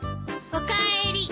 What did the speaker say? おかえり。